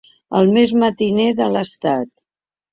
El més matiner de l'estat.